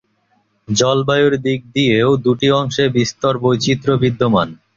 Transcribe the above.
জলবায়ুর দিক দিয়েও দুটি অংশে বিস্তর বৈচিত্র্য বিদ্যমান।